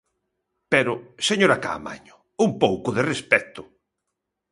Pero, señora Caamaño, ¡un pouco de respecto!